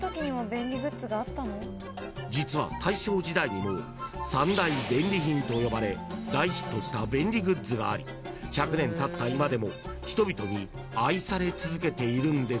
［実は大正時代にも三大便利品と呼ばれ大ヒットした便利グッズがあり１００年たった今でも人々に愛され続けているんですが］